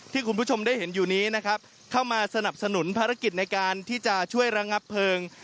คุณผู้ชมได้เห็นอยู่นี้นะครับเข้ามาสนับสนุนภารกิจในการที่จะช่วยระงับเพลิง